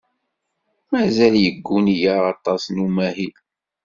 Mazal yegguni-aɣ aṭas n umahil.